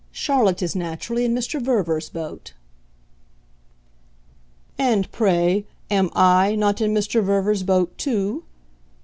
Charlotte is naturally in Mr. Verver's boat." "And, pray, am I not in Mr. Verver's boat too?